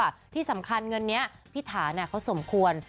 อ่ะที่สำคัญนึงเนี้ยพี่ถานอะเขาสมควร